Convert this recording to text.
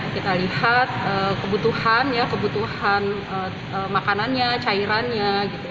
kita lihat kebutuhannya kebutuhan makanannya cairannya